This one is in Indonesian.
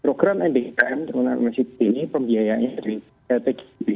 program mbekm dengan msep ini pembiayanya dari lpgp